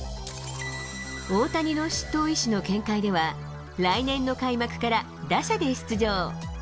大谷の執刀医師の見解では、来年の開幕から打者で出場。